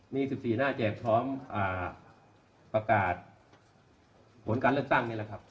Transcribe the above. มี๑๔หน้าแจกพร้อมประกาศผลการเลือกตั้งนี่แหละครับ